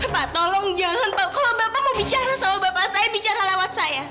bapaknya aida itu yang mendekati dina duluan